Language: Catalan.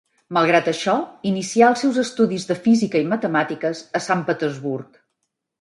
Malgrat això, inicià els seus estudis de física i matemàtiques a Sant Petersburg.